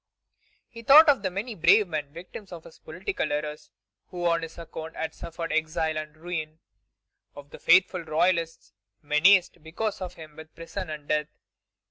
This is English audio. He thought of the many brave men, victims of his political errors, who on his account had suffered exile and ruin; of the faithful royalists menaced, because of him, with prison and death.